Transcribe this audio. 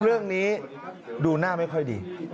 เรื่องนี้ดูหน้าไม่ค่อยดี